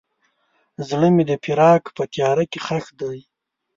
زړه مې د فراق په تیاره کې ښخ دی.